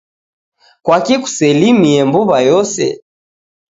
Kwaki kuselimie mbuw'a yose?